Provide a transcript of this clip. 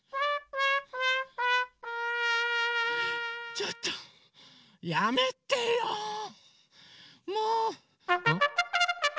ちょっとやめてよもう！